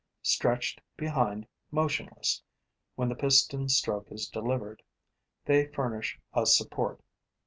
Stretched behind, motionless, when the piston stroke is delivered, they furnish a support.